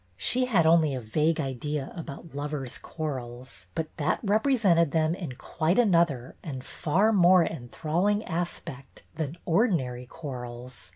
She had only a vague idea about " lovers' quar rels," but that represented them in quite another and far more enthralling aspect than ordinary quarrels.